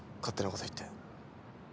勝手なこと言って。